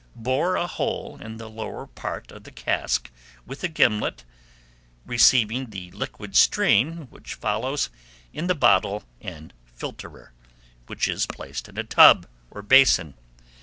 Bore a hole in the lower part of the cask with a gimlet, receiving the liquid stream which follows in the bottle and filterer, which is placed in a tub or basin.